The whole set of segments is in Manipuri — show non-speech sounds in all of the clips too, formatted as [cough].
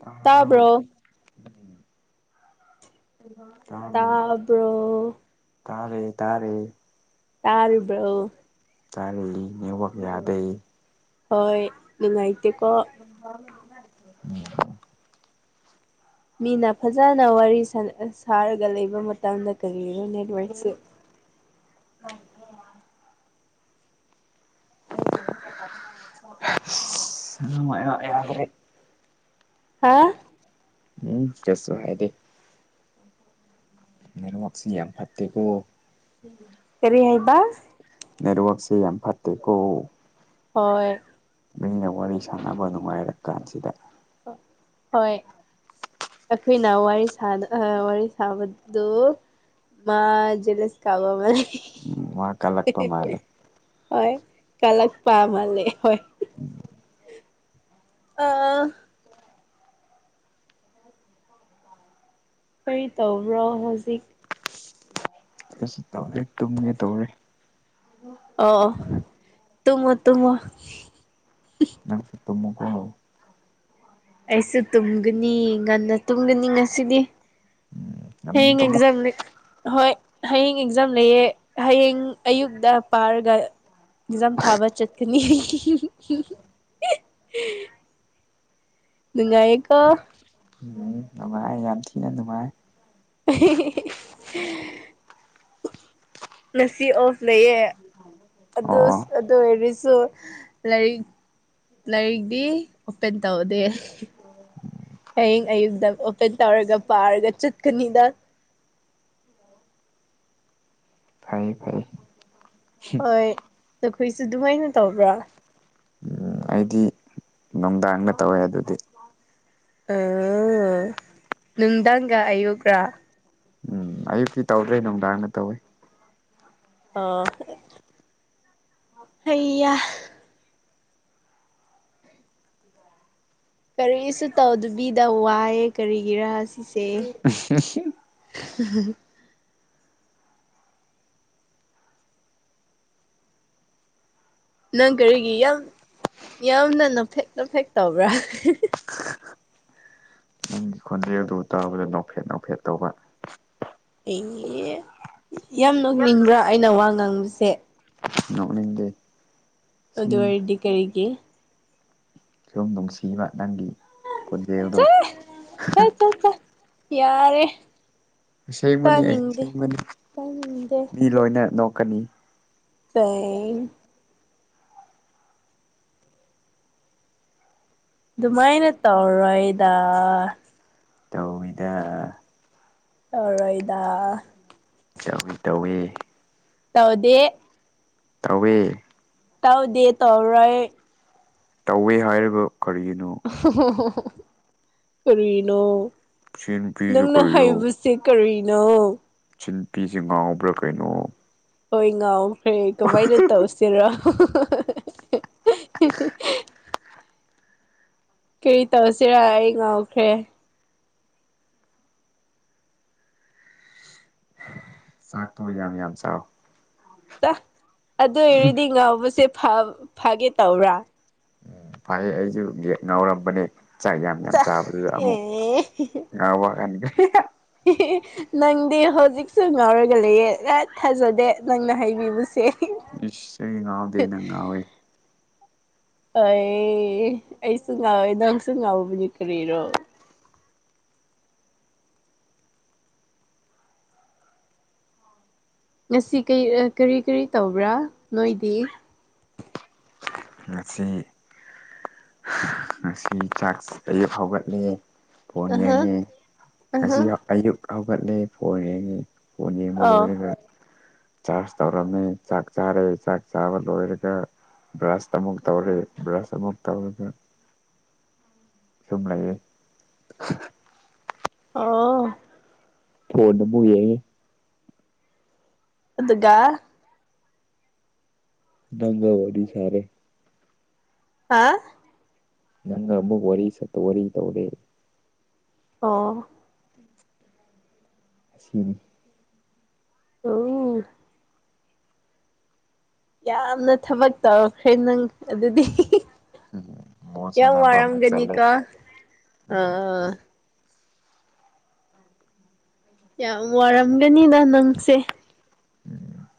ꯇ ꯇꯥꯕ꯭ꯔꯣ ꯇꯥꯔ ꯇꯥꯕ꯭ꯔꯣ ꯇꯥꯔꯦ ꯇꯥꯔꯦ ꯇꯔꯕꯣ ꯆꯥꯔꯛꯏ ꯅꯅꯤꯋꯥꯛ ꯌꯥꯗꯩ ꯍꯣꯏꯅꯨꯡꯉꯥꯏꯇꯀꯣ ꯃ ꯃꯤꯅ ꯐꯖꯅ ꯋꯥꯔꯤ ꯁꯥꯔꯒ ꯂꯩꯕ ꯃꯇꯝꯗ ꯀꯔꯤꯒꯤꯅꯣ ꯅꯦꯠꯋꯔꯛꯁꯨ ꯎ ꯑꯗꯨꯥꯏ ꯌꯥꯈ꯭ꯔꯦ ꯍꯥꯥ ꯎꯝ ꯆꯠꯁ ꯍꯥꯏꯗꯗꯤ ꯅꯦꯠꯋꯥꯛꯁꯤ ꯌꯥꯝ ꯐꯠꯇꯦꯀꯣ ꯀꯔꯤ ꯍꯥꯏꯕ ꯅꯦꯠꯋꯔꯛꯁꯦ ꯌꯥꯝ ꯐꯠꯇꯦꯀꯣ ꯍꯣꯏ ꯃꯤꯅ ꯋꯥꯔꯤ ꯁꯥꯟꯅꯕ ꯅꯨꯡꯉꯥꯏꯔ ꯀꯥꯟꯁꯤꯗ ꯍꯣꯏ ꯑꯩꯈꯣꯏꯅ ꯋꯥꯔꯤ ꯋꯥꯔꯤ ꯁꯥꯕꯗꯨ ꯃꯥ ꯖꯂꯁ ꯀꯕ ꯃꯅꯤ ꯎꯝ ꯋꯥ ꯀꯜꯂꯛꯄ ꯃꯥꯜꯂꯦ ꯍꯣꯏ ꯀꯂꯛ ꯄꯃ ꯂꯩꯦ ꯍꯣꯏ [unintelligible] ꯑꯥ ꯀꯔꯤ ꯇꯧꯕ꯭ꯔꯣ ꯍꯧꯖꯤꯛ ꯀꯩꯁꯨ ꯇꯧꯗꯦ ꯇꯨꯝꯒꯦ ꯇꯧꯔꯤ ꯑꯣ ꯇꯨꯝꯃꯣ ꯇꯨꯝꯃꯣ ꯅꯪꯁꯨ ꯇꯨꯝꯃꯣꯒꯣ ꯑꯩꯁꯨ ꯇꯨꯝꯒꯅꯤ ꯉꯟꯅ ꯇꯨꯝꯒꯅꯤ ꯉꯁꯤꯗꯤ ꯎꯝ ꯉꯟꯅ ꯍꯌꯦꯡ ꯇꯨꯝꯃꯨ ꯑꯦꯛꯖꯝ ꯅꯦ ꯍꯣꯏ ꯍꯌꯦꯡ ꯑꯦꯛꯖꯥꯝ ꯂꯩꯌꯦ ꯍꯌꯦꯡ ꯑꯌꯨꯛꯇ ꯄꯥꯔꯒ ꯑꯦꯛꯖꯥꯝ ꯊꯥꯕ ꯆꯠꯀꯅꯤ ꯅꯨꯡꯉꯥꯏꯌꯦꯀꯣ ꯎꯝ ꯅꯨꯡꯉꯥꯏ ꯌꯥꯝ ꯊꯤꯅ ꯅꯨꯡꯉꯥꯏ ꯑꯩ ꯉꯁꯤ ꯑꯣꯐ ꯂꯩꯌꯦ ꯑꯗꯨ ꯑꯣ ꯑꯣꯏꯔꯁꯨ ꯂꯥꯏꯔꯤꯛ ꯂꯥꯏꯔꯤꯛꯇꯛꯇꯤ ꯑꯣꯄꯦꯟ ꯇꯧꯗꯦ ꯍꯌꯦꯡ ꯑꯌꯨꯛꯇꯪ ꯑꯣꯄꯟ ꯇꯧꯔꯒ ꯄꯥꯔꯒ ꯆꯠꯀꯅꯤꯗ ꯐꯪꯉꯤ ꯐꯪꯉꯤ ꯍꯣꯏ ꯑꯩꯈꯣꯏꯁꯨ ꯑꯗꯨꯃꯥꯏꯅ ꯇꯧꯕ꯭ꯔꯥ ꯎꯝ ꯑꯩꯗꯤ ꯅꯨꯡꯗꯥꯡꯒ ꯇꯧꯋꯦ ꯑꯗꯨꯗꯤ ꯑꯣ ꯅꯨꯡꯗꯥꯡꯒ ꯑꯌꯨꯒ꯭ꯔꯥ ꯎꯝ ꯑꯌꯨꯛꯇꯤ ꯇꯧꯗ꯭ꯔꯦ ꯅꯨꯡꯗꯥꯡꯒ ꯇꯧꯏꯤ ꯑ ꯑꯩꯌꯥ ꯀꯔꯤꯁꯨ ꯇꯧꯗꯕꯤꯗ ꯋꯥꯏꯑꯦ ꯀꯔꯤꯒꯤꯔꯥ ꯁꯤꯁꯦ ꯑ [inaudible] ꯅꯪ ꯀꯔꯤꯒꯤ ꯌꯥꯝ ꯌꯥꯝꯅ ꯅꯣꯛꯐꯦꯠ ꯅꯣꯛꯐꯦꯠ ꯇꯧꯕ꯭ꯔꯥ ꯑꯗꯨ ꯇꯥꯕꯗ ꯅꯣꯛꯐꯦꯠ ꯅꯣꯛꯐꯦꯠ ꯇꯧꯕ ꯑꯩ ꯌꯥꯝ ꯅꯣꯛꯅꯤꯡꯕ꯭ꯔꯥ ꯑꯩꯅ ꯋꯥ ꯉꯥꯡꯕꯁꯦ ꯅꯣꯛꯅꯤꯡꯗꯦ ꯑꯗꯨ ꯁꯨꯝ ꯑꯣꯏꯔꯗꯤ ꯀꯔꯤꯒꯤ ꯁꯨꯝ ꯅꯨꯡꯁꯤꯕ ꯅꯪꯒꯤ ꯈꯣꯟꯖꯦꯜꯗꯣ ꯆꯥ ꯆꯥ ꯆꯥ ꯆꯥ ꯌꯥꯔꯦ ꯑꯁꯦꯡꯕꯅꯤ ꯑꯩ ꯇꯥꯅꯤꯡꯗꯦ ꯑꯁꯦꯡꯕꯅꯤ ꯇꯥꯅꯤꯡꯗꯦ ꯃꯤ ꯂꯣꯏꯅ ꯅꯣꯛꯀꯅꯤ ꯆꯩ ꯑꯗꯨꯃꯥꯏꯅ ꯇꯧꯔꯣꯏꯗ ꯇꯧꯋꯤꯗ ꯇꯧꯔꯣꯏꯗꯥ ꯇꯧꯋꯤ ꯇꯧꯋꯦ ꯇꯥꯎꯗꯦ ꯇꯧꯋꯦ ꯇꯥꯎꯗꯦ ꯇꯧꯔꯣꯏ ꯇꯧꯋꯦ ꯍꯥꯏꯔꯒ ꯀꯔꯤ ꯀꯔꯤꯅꯣ ꯁꯤ ꯅꯨꯄꯤꯁꯨ ꯅꯪꯅ ꯀꯔꯤꯔꯣ ꯍꯥꯏꯕꯁꯦ ꯀꯔꯤꯅꯣ ꯁꯤ ꯅꯨꯄꯤꯁꯦ ꯉꯥꯎꯕ꯭ꯔꯥ ꯀꯩꯅꯣ ꯍꯣꯏ ꯉꯥꯎꯈ꯭ꯔꯦ ꯀꯃꯥꯏꯅ ꯇꯧꯁꯤꯔꯣ ꯀꯩ ꯇꯧꯁꯤꯔ ꯑꯩ ꯉꯥꯎꯈ꯭ꯔꯦ ꯆꯥꯛꯇꯣ ꯌꯥꯝ ꯌꯥꯝ ꯆꯥꯎ ꯑꯗꯨ ꯑꯣꯏꯔꯗꯤ ꯉꯥꯎꯕꯁꯦ ꯐꯒꯦ ꯇꯧꯕ꯭ꯔꯥ ꯐꯩꯌꯦ ꯑꯩꯁꯨ ꯌꯦ ꯉꯥꯎꯔꯝꯕꯅꯦ ꯆꯥꯛ ꯌꯥꯝ ꯌꯥꯝ ꯆ ꯆꯥꯕꯗꯨꯗ ꯑꯃꯨꯛ ꯑꯦ ꯉ ꯋꯥꯒ ꯀ [inaudible] ꯅꯪꯗꯤ ꯍꯧꯖꯤꯛꯁꯨ ꯉꯥꯎꯔꯒ ꯂꯩꯌꯦ ꯅꯪ ꯊꯥꯖꯗꯦ ꯅꯪꯅ ꯍꯥꯏꯕꯤꯕꯁꯦ ꯏꯁ ꯑꯩ ꯉꯥꯎꯗꯦ ꯅꯪ ꯉꯥꯎꯏ ꯑꯩ ꯑꯩꯁꯨ ꯉꯥꯎꯋꯦ ꯅꯪꯁꯨ ꯉꯥꯎꯕꯅꯤ ꯀꯔꯤꯔꯣ ꯉꯁꯤ ꯀꯩ ꯑ ꯀꯔꯤ ꯀꯔꯤ ꯇꯧꯕ꯭ꯔꯥ ꯅꯣꯏꯗꯤ ꯉꯁꯤ ꯉꯁꯤ ꯆꯥꯛ ꯑꯌꯦꯛ ꯍꯧꯒꯠꯂꯦ ꯐꯣꯟ ꯑꯍ ꯌꯦꯡꯉꯦ ꯑꯍ ꯉꯁꯤ ꯑꯌꯨꯛ ꯍꯧꯒꯠꯂꯦ ꯐꯣꯟ ꯌꯦꯡꯉꯤ ꯐꯣꯟ ꯌꯦꯡꯕ ꯑꯣ ꯂꯣꯏꯔꯒ ꯆꯥꯔꯖ ꯇꯧꯔꯝꯃꯤ ꯆꯥꯛ ꯆꯥꯔꯦ ꯆꯥꯛ ꯆꯥꯕ ꯂꯣꯏꯔꯒ ꯕ꯭ꯔꯁꯇ ꯑꯃꯨꯛ ꯇꯧꯔꯦ ꯕ꯭ꯔꯁ ꯑꯃꯨꯛ ꯇꯧꯔꯒ ꯁꯨꯝꯂꯌꯦ ꯑꯣ ꯐꯣꯜꯗ ꯑꯃꯨꯛ ꯌꯦꯡꯉꯦ ꯑꯗꯨꯒ ꯅꯪꯒꯥ ꯋꯥꯔꯤ ꯁꯔꯦ ꯍꯥ ꯅꯪ ꯑꯃꯨꯛ ꯋꯥꯔꯤ ꯁ ꯋꯥꯔꯤ ꯇꯧꯔꯦ ꯑꯣ ꯑꯁꯤꯅꯤ ꯑꯝ ꯌꯥꯝꯅ ꯊꯕꯛ ꯇꯧꯈ꯭ꯔꯦ ꯅꯪ ꯑꯗꯨꯗꯤ [unintelligible] ꯕꯣꯜ ꯌꯥꯝ ꯁꯥꯟꯅꯕ ꯑꯃꯨꯛ ꯆꯠꯂꯦ ꯋꯥꯔꯝꯒꯅꯤꯀꯣ ꯑ ꯌꯥꯝ ꯋꯥꯔꯝꯒꯅꯤꯗ ꯅꯪꯁꯦ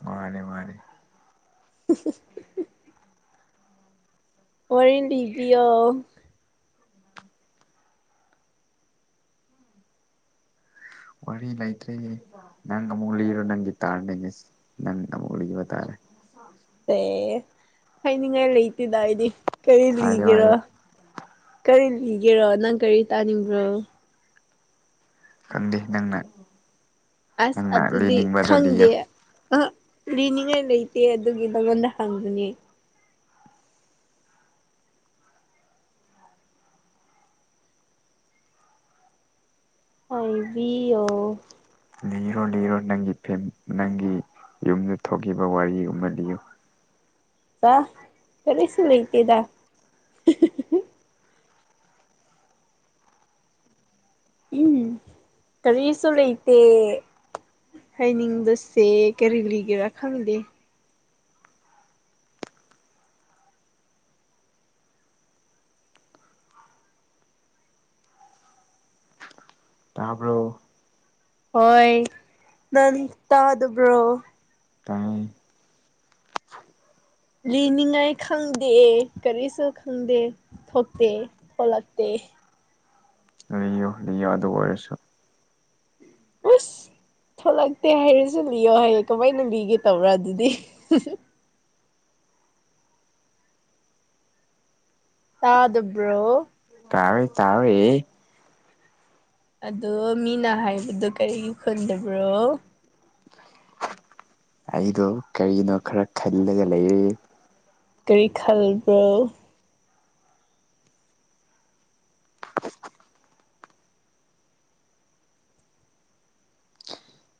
ꯎ ꯃꯥꯔꯦ ꯃꯥꯉꯔꯦ [inaudible] ꯋꯥꯔꯤ ꯂꯤꯕꯤꯌꯣ ꯋꯥꯔꯤ ꯂꯩꯇ꯭ꯔꯦ ꯅꯪ ꯑꯃꯨꯛ ꯂꯤꯔꯣ ꯅꯪꯒꯤ ꯇꯥꯔꯒꯦ ꯉꯁꯤ ꯅꯪ ꯑꯃꯨꯛ ꯂꯤꯕ ꯇꯥꯔꯦ ꯑꯦ ꯍꯥꯏꯅꯤꯡꯉꯥꯏ ꯂꯩꯇꯦꯗ ꯑꯩꯗꯤ ꯀꯔꯤ ꯍꯥꯏꯌꯣ ꯂꯤꯒꯦꯔꯣ ꯍꯥꯏꯌꯣ ꯀꯔꯤ ꯂꯤꯒꯦꯔꯣ ꯅꯪ ꯀꯔꯤ ꯇꯥꯅꯤꯡꯕ꯭ꯔꯣ ꯈꯪꯗꯦ ꯅꯪꯅ ꯑꯁ ꯅꯪꯅ ꯑꯗꯨꯗꯤ ꯂꯤꯅꯤꯡꯕꯗꯣ ꯂꯤꯌꯣ ꯈꯪꯗꯦ ꯑ ꯂꯤꯅꯤꯡꯉꯥꯏ ꯂꯩꯇꯦ ꯑꯗꯨꯒꯤ ꯅꯉꯣꯟꯗ ꯍꯪꯕꯅꯦ ꯍꯥꯏꯕꯤꯑꯣ ꯂꯤꯔꯣ ꯂꯤꯔꯣ ꯅꯪꯒꯤ ꯐꯦꯝ ꯅꯪꯒꯤ ꯌꯨꯝꯗ ꯊꯣꯛꯈꯤꯕ ꯋꯥꯔꯤ ꯑꯃ ꯂꯤꯌꯨ ꯆ ꯀꯔꯤꯁꯨ ꯂꯩꯇꯦꯗ [unintelligible] ꯎꯝ ꯀꯔꯤꯁꯨ ꯂꯩꯇꯦ ꯍꯥꯏꯅꯤꯡꯕꯁꯦ ꯀꯔꯤ ꯀꯔꯤꯒꯤꯔ ꯈꯪꯗꯦ ꯇꯥꯕ꯭ꯔꯣ ꯍꯣꯏ ꯅꯪ ꯇꯥꯗꯕ꯭ꯔꯣ ꯇꯥꯏ ꯂꯤꯅꯤꯡꯉꯥꯏ ꯈꯪꯗꯦ ꯀꯔꯤꯁꯨ ꯈꯪꯗꯦ ꯊꯣꯛꯇꯦ ꯊꯣꯂꯛꯇꯦ ꯂꯤꯌꯣ ꯂꯤꯌꯣ ꯑꯗꯨ ꯑꯣꯏꯔꯁꯨ ꯑꯁ ꯊꯣꯛꯂꯛꯇꯦ ꯍꯥꯏꯔꯁꯨ ꯂꯤꯌꯣ ꯍꯥꯌꯦ ꯀꯃꯥꯏꯅ ꯂꯤꯒꯦ ꯇꯧꯕ꯭ꯔꯥ ꯑꯗꯨꯗꯤ [unintelligible] ꯇꯥꯗꯕ꯭ꯔꯣ ꯇꯥꯔꯦ ꯇꯥꯔꯦ ꯑꯗꯣ ꯃꯤꯅ ꯍꯥꯏꯕꯗꯣ ꯀꯔꯤ ꯈꯨꯟꯗꯒ꯭ꯔꯣ ꯑꯩꯗꯣ ꯀꯔꯤꯅꯣ ꯈꯔ ꯈꯜꯂꯒ ꯂꯩꯔꯤ ꯀꯔꯤ ꯈꯜꯕ꯭ꯔꯧ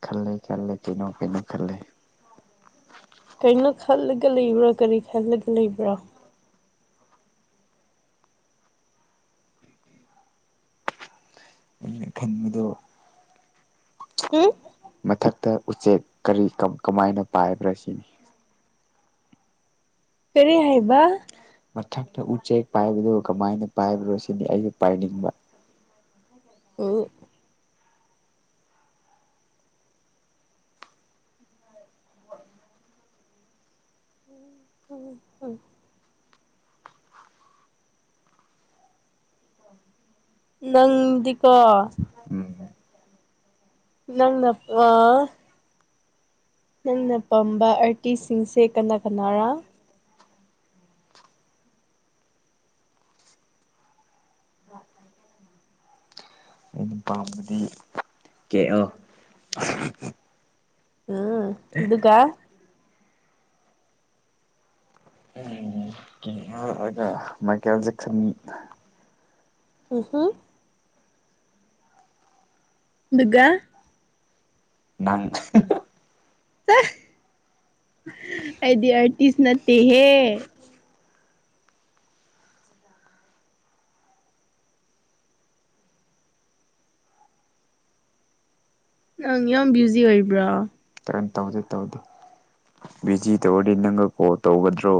ꯈꯜꯂꯦ ꯈꯜꯂꯦ ꯀꯩꯅꯣ ꯀꯩꯅꯣ ꯈꯜꯂꯦ ꯀꯩꯅꯣ ꯈꯜꯂꯒ ꯂꯩꯕ꯭ꯔꯥ ꯀꯔꯤ ꯈꯜꯂꯒ ꯂꯩꯕ꯭ꯔꯥ ꯑꯩꯅ ꯈꯟꯕꯗꯣ ꯍꯝ ꯃꯊꯛꯇ ꯎꯆꯦꯛ ꯀꯔꯤ ꯀ ꯀꯃꯥꯏꯅ ꯄꯥꯏꯕ꯭ꯔꯥ ꯁꯤꯅꯤ ꯀꯔꯤ ꯍꯥꯏꯕ ꯃꯊꯛꯇ ꯎꯆꯦꯛ ꯄꯥꯏꯕꯗꯨ ꯀꯃꯥꯏꯅ ꯄꯥꯏꯕ꯭ꯔꯣ ꯁꯤꯅꯤ ꯑꯩꯖꯨ ꯄꯥꯏꯅꯤꯡꯕ ꯎꯝ ꯎ ꯎꯝ ꯍꯨꯝ ꯅꯪꯗꯤꯀꯣ ꯎꯝ ꯅꯪꯅ ꯑ ꯅꯪꯅ ꯄꯥꯝꯕ ꯑꯥꯔꯇꯤꯁꯁꯤꯡꯁꯦ ꯀꯅꯥ ꯀꯅꯥꯔꯥ ꯑꯩꯅ ꯄꯥꯝꯕꯗꯤ ꯀꯦ ꯑꯣ ꯎꯝ ꯑꯗꯨꯀꯥ ꯎꯝ [unintelligible] ꯃꯥꯏꯀꯦꯜ ꯖꯦꯛꯁꯟ ꯎꯝ ꯍꯨꯝ ꯑꯗꯨꯒ ꯅꯪ ꯑꯩꯗꯤ ꯑ꯭ꯔꯇꯤꯁ ꯅꯠꯇꯦꯍꯦ ꯅꯪ ꯌꯥꯝ ꯕ꯭ꯌꯨꯖꯤ ꯑꯣꯏꯕ꯭ꯔꯣ ꯀꯦꯝ ꯇꯧꯗꯦ ꯇꯧꯗꯦ ꯕꯤꯖꯤ ꯇꯧꯔꯗꯤ ꯅꯪꯒ ꯀꯣꯜ ꯇꯧꯒꯗ꯭ꯔꯣ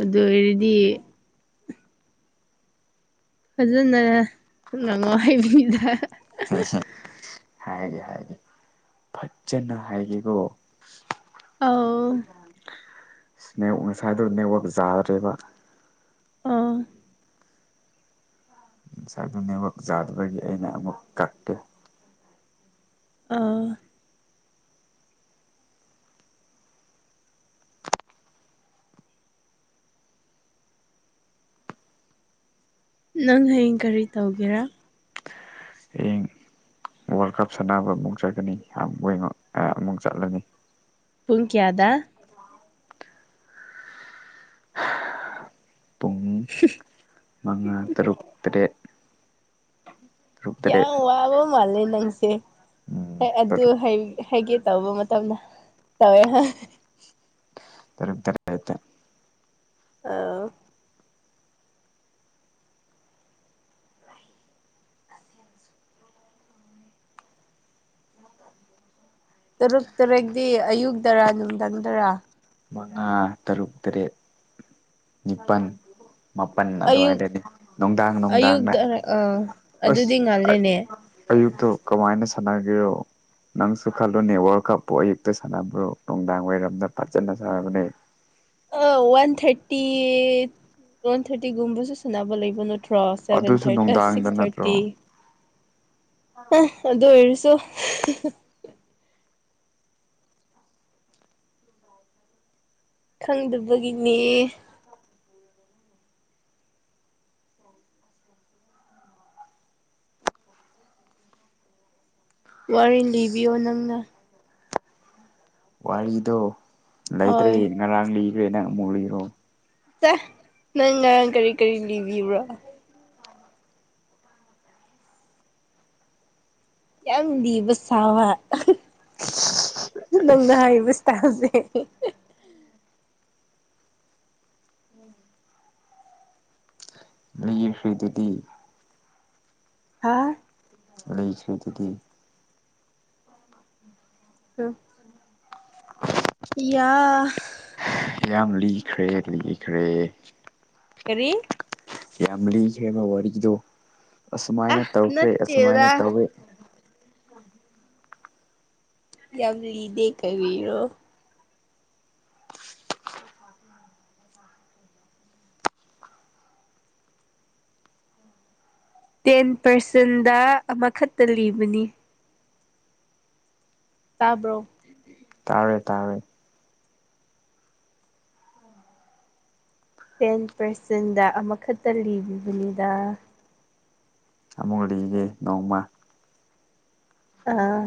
ꯑꯗꯨ ꯑꯣꯏꯔꯗꯤ ꯐꯖꯅ ꯅꯪꯉꯣ ꯍꯥꯏꯕꯅꯤꯗ ꯍꯦ ꯍꯦꯛ ꯍꯥꯏꯒꯦ ꯍꯥꯏꯒꯦ ꯐꯖꯅ ꯍꯥꯏꯒꯦꯀꯣ ꯑꯧ ꯅꯦꯛ ꯉꯁꯥꯏꯗꯨ ꯅꯦꯠꯋꯥꯛ ꯖꯥꯗ꯭ꯔꯦꯕ ꯑꯣ ꯉꯁꯥꯏꯗꯨ ꯅꯦꯠꯋꯥꯛ ꯖꯥꯗꯕꯒꯤ ꯑꯩꯅ ꯑꯃꯨꯛ ꯀꯛꯀꯦ ꯑ ꯅꯪ ꯍꯌꯦꯡ ꯀꯔꯤ ꯇꯧꯒꯦꯔꯥ ꯍꯌꯦꯡ ꯋꯥꯜ ꯀꯞ ꯁꯥꯟꯅꯕ ꯑꯃꯨꯛ ꯆꯠꯀꯅꯤ ꯑꯥꯝ ꯒꯣꯏꯡ ꯑꯣꯟ ꯑ ꯑꯃꯨꯛ ꯆꯠꯂꯅꯤ ꯄꯨꯨꯡ ꯀꯌꯥꯗ ꯄꯨꯡ ꯍꯨꯝ ꯃꯉꯥ ꯇꯔꯨꯛ ꯇꯔꯦꯠ ꯇꯔꯨꯛ ꯇꯔꯦꯠ ꯌꯥꯝ ꯋꯥꯕ ꯃꯥꯜꯂꯦ ꯅꯪꯁꯦ ꯎꯝ ꯍꯦꯛ ꯑꯗꯨ ꯇꯔꯨꯛ ꯍꯩ ꯍꯥꯏꯒꯦ ꯇꯧꯕ ꯃꯇꯝꯗ ꯇꯧꯋꯦ ꯍꯣꯏ ꯇꯔꯨꯛ ꯇꯔꯦꯠꯇ ꯑꯧ ꯇꯔꯨꯛ ꯇꯔꯦꯛꯗꯤ ꯑꯌꯨꯛꯇꯔꯥ ꯅꯨꯡꯗꯥꯡꯗꯔꯥ ꯃꯉꯥ ꯇ ꯇ꯭ꯔꯨꯛ ꯇꯔꯦꯠ ꯅꯤꯄꯥꯟ ꯃꯥꯄꯟ ꯑꯌꯨꯛ ꯑꯗꯨꯋꯥꯏꯗꯗꯤ ꯅꯨꯡꯗꯥꯡ ꯅꯨꯡꯗꯥꯡꯅ ꯑꯌꯨꯛꯇ ꯑꯥ ꯑꯁ ꯑꯗꯨꯗꯤ ꯉꯜꯂꯦꯅꯦ ꯑꯌꯨꯛꯇꯣ ꯀꯃꯥꯏꯅ ꯁꯥꯟꯅꯒꯦꯔꯣ ꯅꯪꯁꯨ ꯈꯜꯂꯨꯅꯦ ꯋꯥꯜ ꯀꯞꯄꯨ ꯑꯌꯨꯛꯇ ꯁꯥꯟꯅꯕ꯭ꯔꯣ ꯅꯨꯡꯗꯥꯡ ꯋꯥꯏꯔꯝꯗ ꯐꯖꯅ ꯁꯥꯟꯅꯕꯅꯦ ꯑ ꯋꯥꯟ ꯊ꯭ꯥꯔꯇꯤꯠ ꯋꯥꯟ ꯊꯥ꯭ꯔꯇꯤꯒꯨꯝꯕꯁꯨ ꯁꯥꯅꯕ ꯂꯩꯕ ꯅꯠ ꯇ꯭ꯔꯣ ꯁꯦꯕꯦꯟ ꯑꯗꯨꯁꯨ ꯊꯥ꯭ꯔꯠ ꯑꯁ ꯅꯨꯡꯗꯥꯡꯗ ꯁꯤꯛꯁ ꯊꯥꯔꯇꯤ ꯅꯠꯇ꯭ꯔꯣ ꯑ ꯑꯗꯨ ꯑꯣꯏꯔꯁꯨ ꯈꯪꯗꯕꯒꯤꯅꯤ ꯋꯥꯔꯤ ꯂꯤꯕꯤꯌꯣ ꯅꯪꯅ ꯋꯥꯔꯤꯗꯣ ꯂꯩꯇ꯭ꯔꯦ ꯍꯣꯏ ꯉꯔꯥꯡ ꯂꯤꯈ꯭ꯔꯦ ꯅꯪ ꯑꯃꯨꯛ ꯂꯤꯔꯣ [unintelligible] ꯅꯪ ꯉꯔꯥꯡ ꯀꯔꯤ ꯀꯔꯤ ꯂꯤꯕꯤꯕ꯭ꯔꯣ ꯌꯥꯝ ꯂꯤꯕ ꯁꯥꯕ ꯅꯪꯅ ꯍꯥꯏꯔꯤꯕ ꯏꯁꯇꯥꯥꯜꯁꯦ ꯂꯩ ꯐꯨꯏꯗꯨꯗꯤ ꯍꯥꯥ ꯂꯩꯁꯨ ꯑꯗꯨꯗꯤ [unintelligible] ꯏꯌꯥ ꯌꯥꯝ ꯂꯤꯈ꯭ꯔꯦ ꯂꯤꯈ꯭ꯔꯦ ꯀꯔꯤ ꯌꯥꯝ ꯂꯤꯈ꯭ꯔꯦꯕ ꯋꯥꯔꯤꯗꯣ ꯑ ꯑꯁꯨꯃꯥꯏꯅ ꯇꯧꯈ꯭ꯔꯦ ꯑꯁꯨꯃꯥꯏꯅ ꯅꯠꯇꯦꯗ ꯇꯧꯋꯤ ꯌꯥꯝ ꯂꯤꯗꯦ ꯀꯔꯤꯔꯣ ꯇꯦꯟ ꯄꯥꯔꯁꯦꯟꯗ ꯑꯃꯈꯛꯇ ꯂꯤꯕꯅꯤ ꯇꯥꯕ꯭ꯔꯣ ꯇꯥꯔꯦ ꯇꯥꯔꯦ ꯇꯦꯟ ꯄꯥꯔꯁꯦꯟꯗ ꯑꯃꯈꯛꯇ ꯂꯤꯕꯤꯕꯅꯤꯗꯥ ꯑꯃꯒ ꯂꯤꯒꯦ ꯅꯣꯡꯃ ꯑꯥ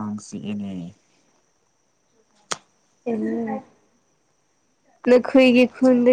ꯀꯥꯡ ꯆꯤꯛꯑꯦꯅꯦ [unintelligible] ꯅꯈꯣꯏꯒꯤ ꯈꯨꯟꯗ